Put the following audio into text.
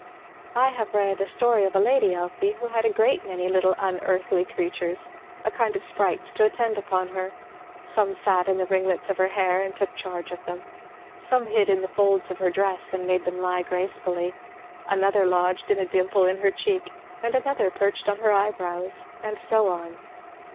"I have read a story of a lady, Elfie, who had a great many little unearthly creatures, a kind of sprites, to attend upon her. Some sat in the ringlets of her hair and took charge of them; some hid in the folds of her dress and made them lie gracefully; another lodged in a dimple in her cheek, and another perched on her eyebrows, and so on."